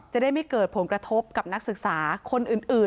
จะได้ไม่เกิดผลกระทบกับนักศึกษาคนอื่น